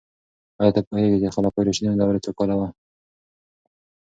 آیا ته پوهیږې چې د خلفای راشدینو دوره څو کاله وه؟